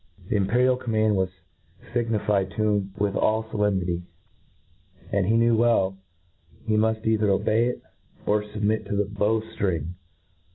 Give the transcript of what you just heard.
The impc* rial command was fignified to him with all fo lemnity ; and he well knew, he muft cither obey it, or fubmit to the bow ftring.